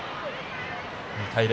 ２対０。